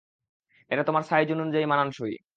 এটা তোমার সাইজ অনুযায়ী মানানসই।